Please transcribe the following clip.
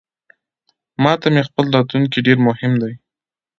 ماته مې خپل راتلونکې ډیرمهم دی